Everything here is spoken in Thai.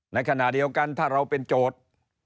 ในขณะเดียวกันถ้าเราเป็นโจทย์